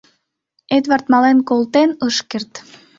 Эдвард мален колтен ыш керт.